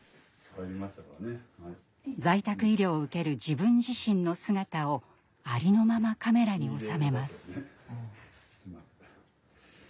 在宅医療を受ける自分自身の姿をありのままカメラに収めます。